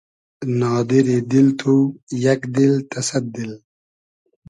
نادیری دیل تو یئگ دیل تۂ سئد دیل